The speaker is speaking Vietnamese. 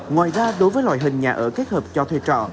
ngoài ra đối với loại hình nhà ở kết hợp cho thuê trọ